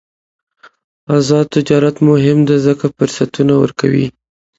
آزاد تجارت مهم دی ځکه چې فرصتونه ورکوي.